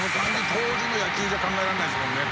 当時の野球じゃ考えられないですもんね。